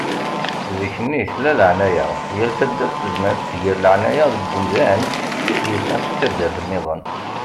Zikk-nni tella laεnaya. Yal taddart tezmer ad tger laεnaya deg umdan i d-yusan seg taddart-nniḍen.